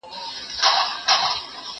ايا ته سفر کوې،